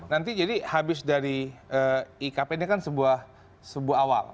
nanti jadi habis dari ikp ini kan sebuah awal